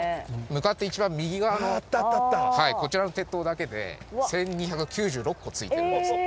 向かって一番右側のこちらの鉄塔だけで１２９６個ついてるんですよ。